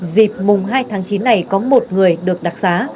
dịp mùng hai tháng chín này có một người được đặc xá